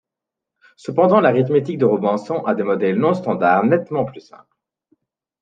Cependant l'arithmétique de Robinson a des modèles non standards nettement plus simples.